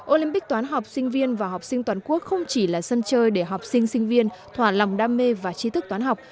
olympic toán học sinh viên và học sinh toàn quốc không chỉ là sân chơi để học sinh sinh viên thỏa lòng đam mê và chi thức toán học